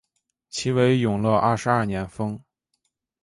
其为永乐二十二年封。